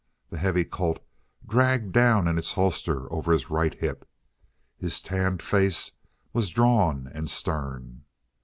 The heavy Colt dragged down in its holster over his right hip. His tanned face was drawn and stern.